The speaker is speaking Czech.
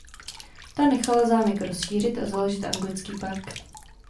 Ta nechala zámek rozšířit a založit anglický park.